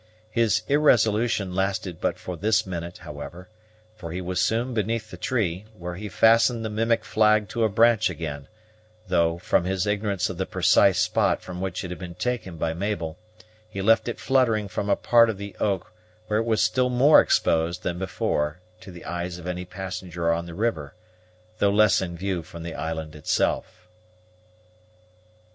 His irresolution lasted but for this minute, however; for he was soon beneath the tree, where he fastened the mimic flag to a branch again, though, from his ignorance of the precise spot from which it had been taken by Mabel, he left it fluttering from a part of the oak where it was still more exposed than before to the eyes of any passenger on the river, though less in view from the island itself.